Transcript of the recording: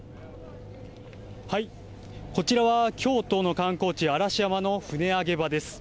こちらは京都の観光地、嵐山の船あげ場です。